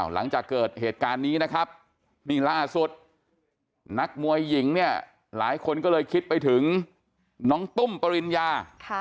หลังจากเกิดเหตุการณ์นี้นะครับนี่ล่าสุดนักมวยหญิงเนี่ยหลายคนก็เลยคิดไปถึงน้องตุ้มปริญญา